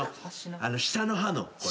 下の歯のこれ。